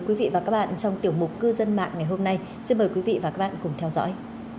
quý vị và các bạn trong tiểu mục cư dân mạng ngày hôm nay xin mời quý vị và các bạn cùng theo dõi